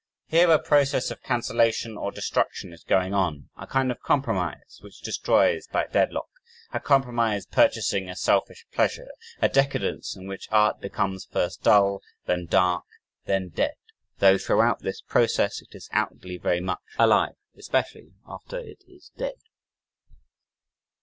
Here a process of cancellation or destruction is going on a kind of "compromise" which destroys by deadlock; a compromise purchasing a selfish pleasure a decadence in which art becomes first dull, then dark, then dead, though throughout this process it is outwardly very much alive, especially after it is dead.